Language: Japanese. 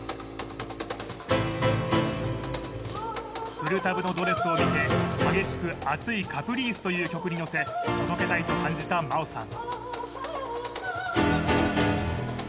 プルタブのドレスで、激しく熱い「カプリース」という曲に乗せ、届けたいという真央さん。